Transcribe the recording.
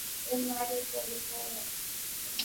山北町为新舄县最北端面向日本海的一町。